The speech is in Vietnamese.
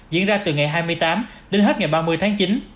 diễn ra từ ngày hai mươi tám đến hết ngày ba mươi tháng chín